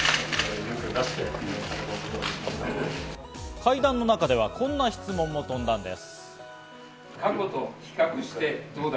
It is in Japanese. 会談の中ではこんな質問も飛んだんです。